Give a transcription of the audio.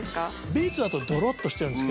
ビーツだとドロっとしてるんです。